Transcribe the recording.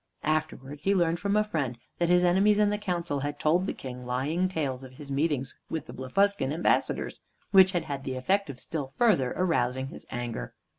Afterwards he learned from a friend that his enemies in the council had told the King lying tales of his meetings with the Blefuscan ambassadors, which had had the effect of still further rousing his anger.